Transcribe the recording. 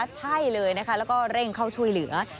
ใช่เลยนะคะแล้วก็เร่งเข้าช่วยเหลือ